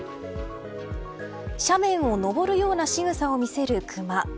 斜面を登るようなしぐさを見せるクマ。